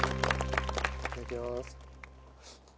いただきます。